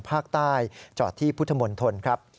ภาคใต้จอดที่พุทธมณฑลครับ